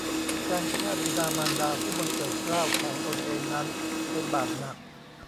การฆ่าบิดามารดาผู้บังเกิดเกล้าของตนเองนั้นเป็นบาปหนัก